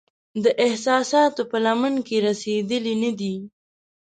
د احساساتو په لمن کې رسیدلې نه دی